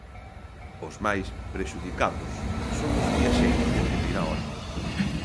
Os máis prexudicados son os viaxeiros de primeira hora.